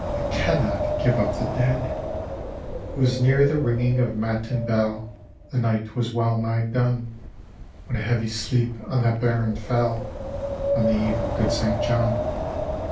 It cannot give up the deadi " It was near the ringing of matm betl, The night was well ni^ done, When a heavy sleep on that Baron fell, On the eve of good St. John.